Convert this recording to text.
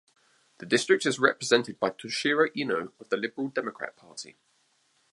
The district is represented by Toshiro Ino of the Liberal Democratic Party.